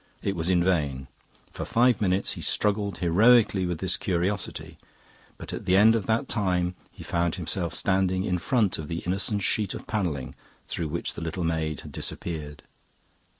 It was in vain; for five minutes he struggled heroically with his curiosity, but at the end of that time he found himself standing in front of the innocent sheet of panelling through which the little maid had disappeared.